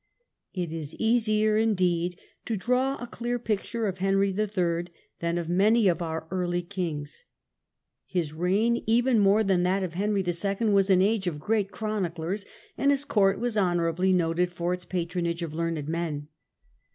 It is easier indeed to draw a clear picture of Henry III. than of many of our early kings. His reign, even more 62 THE CHRONICLERS. than that of Henry Ily was an age of great chroniclers, and his court was honourably noted for its patronage of learned men.